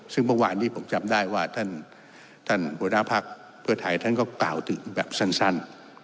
ซึ่งเมื่อวานที่ผมจำได้ว่าท่านบริษัทภักดิ์เพื่อไทยก็เป่าถึงแบบสั้น